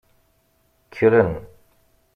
Kkren.